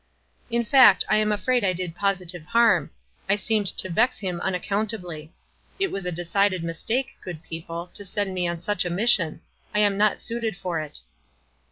"In fact, I am afraid I did positive harm. I seemed to vex him unac countably. It was a decided mistake, good people, to send me on such a mission. I am not suited for it."